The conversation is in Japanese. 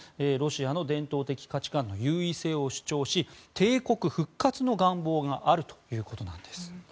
ロシアの伝統的価値観の優位性を主張し帝国復活の願望があるということなんです。